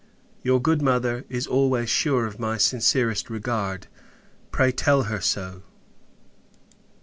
Your good mother is always sure of my sincerest regard; pray, tell her so.